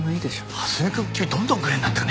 蓮見くん君どんどんグレーになっていくね。